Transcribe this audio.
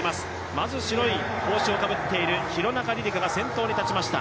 まず、白い帽子をかぶっている廣中璃梨佳が先頭に立ちました。